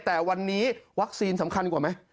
แต่วันนี้วัคซีนสำคัญกว่าไหม